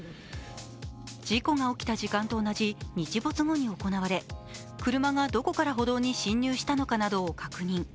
事故が起きた時間と同じ日没後に行われ、車がどこから歩道に進入したのかなどを確認。